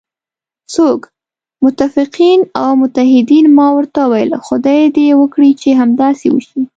څوک؟ متفقین او متحدین، ما ورته وویل: خدای دې وکړي چې همداسې وشي.